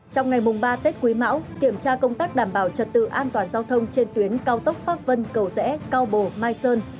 trong ngày mùng ba tết quý mão kiểm tra công tác đảm bảo trật tự an toàn giao thông trên tuyến cao tốc pháp vân cầu rẽ cao bồ mai sơn